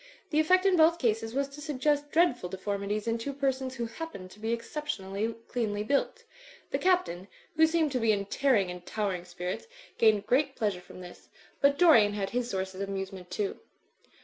The effect in both cases was to suggest dreadful deformities in two persons who happened to be exceptionally cleanly built. The Captain, who seemed to be in tearing and towering spirits, gained great pleasure from this. But Dorian had his sources of amusement too.